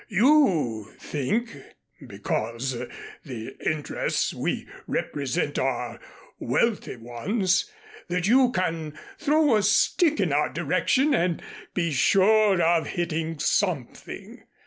You think, because the interests we represent are wealthy ones, that you can throw a stick in our direction and be sure of hitting something.